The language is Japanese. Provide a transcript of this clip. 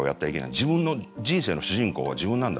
自分の人生の主人公は自分なんだ。